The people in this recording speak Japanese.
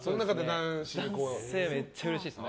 男性はめっちゃうれしいですね。